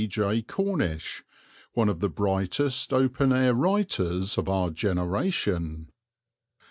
J. Cornish, one of the brightest open air writers of our generation.